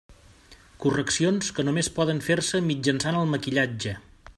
Correccions que només poden fer-se mitjançant el maquillatge.